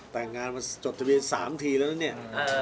แต่งงานมาจดทะเบียน๓ทีแล้วนะเนี่ย